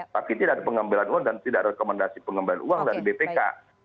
tapi tidak ada pengambilan uang dan tidak rekomendasi pengembalian uang dari bpk